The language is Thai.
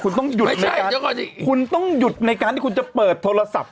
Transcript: คุณต้องหยุดไม่ใช่เดี๋ยวก่อนคุณต้องหยุดในการที่คุณจะเปิดโทรศัพท์